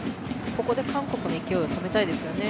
ここで韓国の勢いを止めたいですよね。